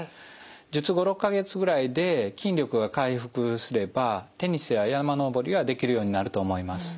術後６か月ぐらいで筋力が回復すればテニスや山登りはできるようになると思います。